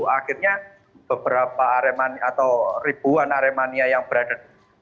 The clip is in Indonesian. akhirnya beberapa aremania atau ribuan aremania yang berada